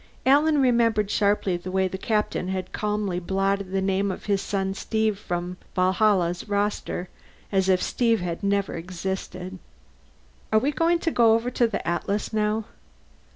Alan remembered sharply the way the Captain had calmly blotted the name of his son Steve from the Valhalla's roster as if Steve had never existed. "Are we going to go over to the Atlas now?"